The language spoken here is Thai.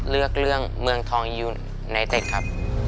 เลือกเรื่องเมืองทองยูนไนเต็ดครับ